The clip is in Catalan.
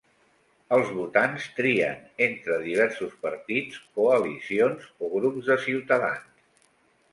Els votants trien entre diversos partits, coalicions o grups de ciutadans.